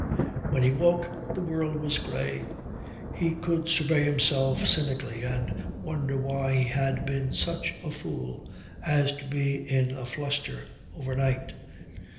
When he woke, the world was grey. He could survey himself cynically and wonder why he had been such a fool as to be in a fluster overnight.